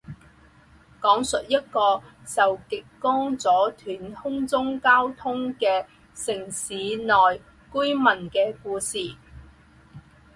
讲述一个受极光阻断空中交通的城市内居民的故事。